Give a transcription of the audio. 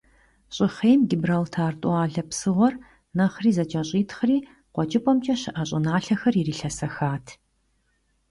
ЩӀыхъейм Гибралтар тӀуалэ псыгъуэр нэхъри зэкӀэщӀитхъри, КъуэкӀыпӀэмкӀэ щыӀэ щӀыналъэхэр ирилъэсэхат.